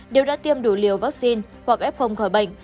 đều đã tiêm đủ liều vaccine hoặc f khỏi bệnh